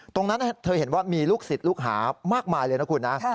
ตรงนั้นเธอเห็นว่ามีลูกศิษย์ลูกหามากมายเลยนะคุณนะ